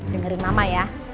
dengerin mama ya